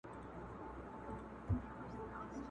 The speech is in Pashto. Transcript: لا د چا سترگه په سيخ ايستل كېدله.!